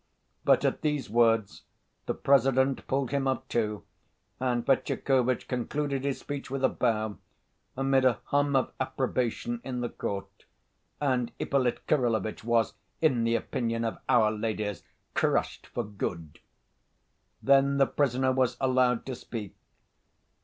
But at these words the President pulled him up, too, and Fetyukovitch concluded his speech with a bow, amid a hum of approbation in the court. And Ippolit Kirillovitch was, in the opinion of our ladies, "crushed for good." Then the prisoner was allowed to speak.